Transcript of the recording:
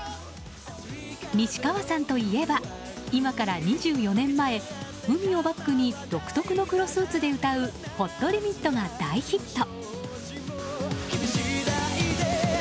西川さんといえば今から２４年前海をバックに独特の黒スーツで歌う「ＨＯＴＬＩＭＩＴ」が大ヒット。